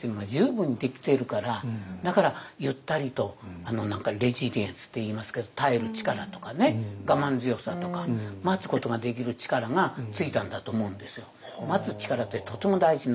だからゆったりとあの何かレジリエンスと言いますけど耐える力とかね我慢強さとか待つことができる力がついたんだと思うんですよ。